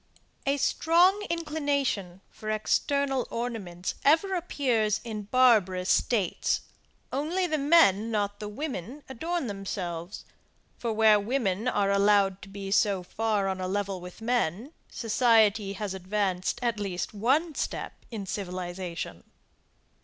A strong inclination for external ornaments ever appears in barbarous states, only the men not the women adorn themselves; for where women are allowed to be so far on a level with men, society has advanced at least one step in civilization.